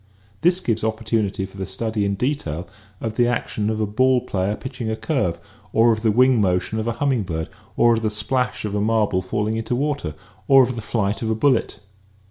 This gives oppor tunity for the study in detail of the action of a ball player pitching a curve or of the wing motion of a humming bird or of the splash of a marble falling into water or of the flight of a bullet.